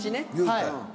はい。